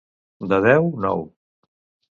De deu, nou.